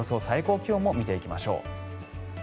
最高気温も見ていきましょう。